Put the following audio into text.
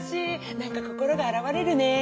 何か心があらわれるね。